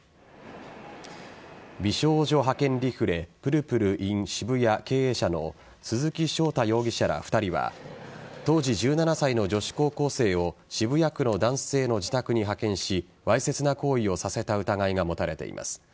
美少女派遣リフレぷるぷるｉｎ渋谷経営者の鈴木翔太容疑者ら２人は当時１７歳の女子高校生を渋谷区の男性の自宅に派遣しわいせつな行為をさせた疑いが持たれています。